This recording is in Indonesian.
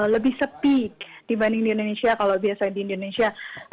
lebih sepi dibanding di indonesia kalau biasanya di indonesia